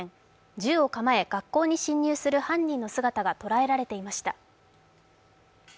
銃を構え学校に侵入する犯人の姿が捉えられていました。